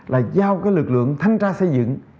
là giao cái lực lượng thanh tra xây dựng